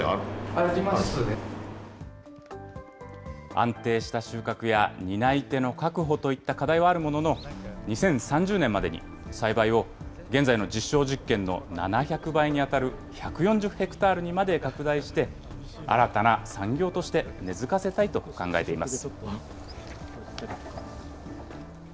安定した収穫や担い手の確保といった課題はあるものの、２０３０年までに栽培を現在の実証実験の７００倍にあたる１４０ヘクタールにまで拡大して、新たな産業として根づかせたいと考えています。